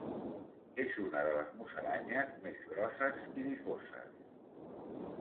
És una de les musaranyes més grosses i difoses.